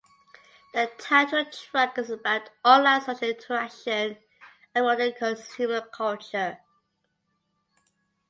The title track is about online social interaction and modern consumer culture.